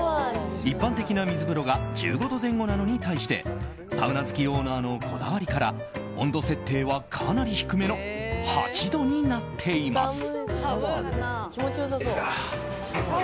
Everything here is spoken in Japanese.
一般的な水風呂が１５度前後なのに対してサウナ好きオーナーのこだわりから温度設定はかなり低めの８度になっています。